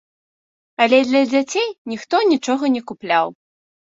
Але для дзяцей ніхто нічога не купляў.